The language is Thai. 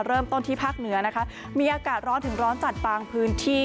เริ่มต้นที่ภาคเหนือนะคะมีอากาศร้อนถึงร้อนจัดบางพื้นที่